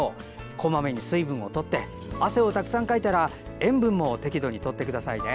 こまめに水分を取って汗をたくさんかいたら塩分も適度にとってくださいね。